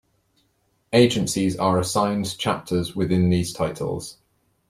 Agencies are assigned chapters within these titles.